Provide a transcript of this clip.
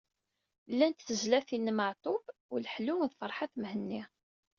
Llant tezlatin n Maɛtub, Uleḥlu d Ferḥat Mhenni.